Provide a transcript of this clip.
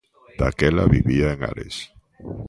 Daquela vivía en Ares.